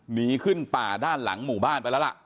หนีขึ้นป่าด้านหลังหมู่บ้านไปแล้วล่ะ